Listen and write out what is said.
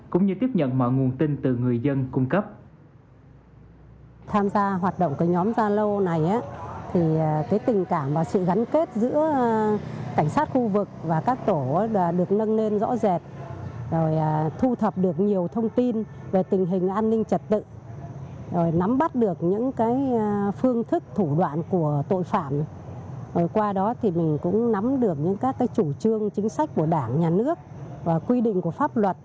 cũng như tiếp nhận mọi nguồn tin từ người dân cung cấp